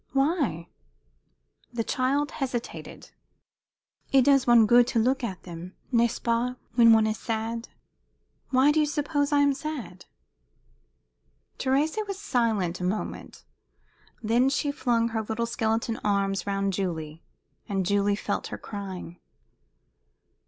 "Why?" The child hesitated. "It does one good to look at them n'est ce pas? when one is sad?" "Why do you suppose I am sad?" Thérèse was silent a moment; then she flung her little skeleton arms round Julie, and Julie felt her crying.